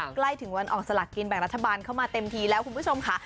ใกล้ถึงวันออกสลักกินแบ่งรัฐบาลเข้ามาเต็มทีแล้วคุณผู้ชมค่ะ